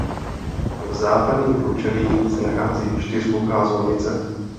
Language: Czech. V západním průčelí se nachází čtyřboká zvonice.